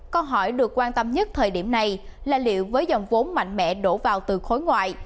câu hỏi được quan tâm nhất thời điểm này là liệu với dòng vốn mạnh mẽ đổ vào từ khối ngoại